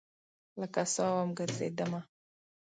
لکه سا وم ګرزیدمه